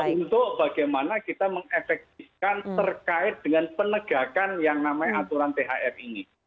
untuk bagaimana kita mengefektifkan terkait dengan penegakan yang namanya aturan thr ini